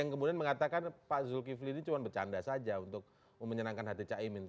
kemudian mengatakan pak zulkifli ini cuma bercanda saja untuk memenyenangkan hati cak imin